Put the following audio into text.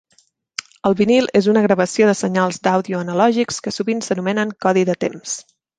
El vinil és una gravació de senyals d'àudio analògics que sovint s'anomenen codi de temps.